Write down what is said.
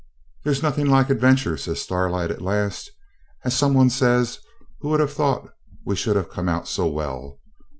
'There's nothing like adventure,' says Starlight, at last. 'As some one says, who would have thought we should have come out so well?